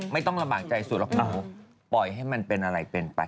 ไม่ต้องลำบากใจสุดหรอกเขาปล่อยให้มันเป็นอะไรเป็นไป